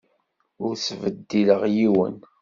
Ur ttbeddileɣ yiwen.